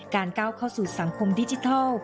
ก้าวเข้าสู่สังคมดิจิทัล